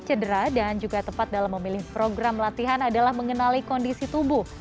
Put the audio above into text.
cedera dan juga tepat dalam memilih program latihan adalah mengenali kondisi tubuh